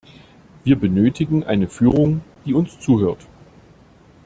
Wir benötigen eine Führung, die uns zuhört.